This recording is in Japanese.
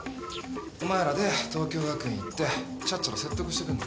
お前らで桃郷学院行ってちゃっちゃと説得してくんの。